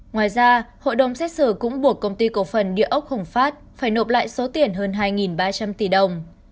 ngoài ra hội đồng xét xử cũng buộc công ty cổ phần địa ốc hồng phát phải nộp lại số tiền hơn hai ba trăm linh tỷ đồng